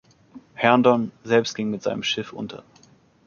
Herndon selbst ging mit seinem Schiff unter.